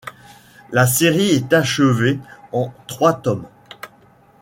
La série est achevée en trois tomes.